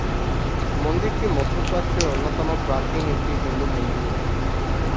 মন্দিরটি মধ্যপ্রাচ্যের অন্যতম প্রাচীন একটি হিন্দু মন্দির।